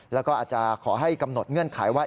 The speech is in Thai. แล้วก็อาจจะขอให้กำหนดเงื่อนไขว่า